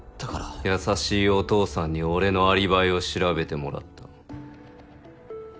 優しいお父さんに俺のアリバイを調べてもらった。